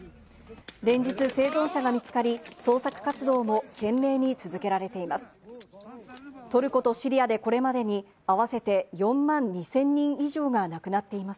連日、生存者が見つかり、捜索活動も懸命に続けられています。